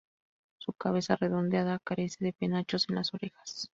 Su cabeza redondeada carece de penachos en las orejas.